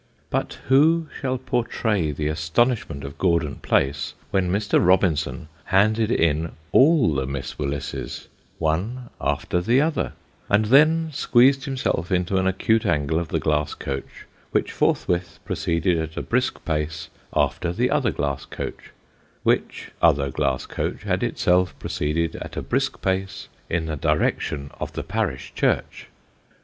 But who shall portray the astonishment of Gordon Place, when Mr. Robinson handed in all the Miss Willises, one after the other, and then squeezed himself into an acute angle of the glass coach, which forthwith proceeded at a brisk pace, after the other glass coach, which other glass coach had itself proceeded, at a brisk pace, in the direction of the parish church